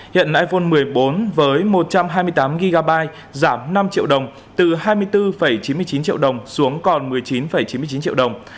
hiện iphone một mươi bốn với một trăm hai mươi tám gb giảm năm triệu đồng từ hai mươi bốn chín mươi chín triệu đồng xuống còn một mươi chín chín mươi chín triệu đồng